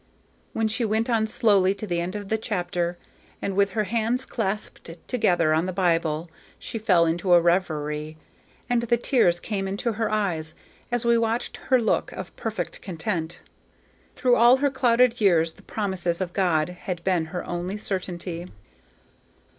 Then she went on slowly to the end of the chapter, and with her hands clasped together on the Bible she fell into a reverie, and the tears came into our eyes as we watched her look of perfect content. Through all her clouded years the promises of God had been her only certainty.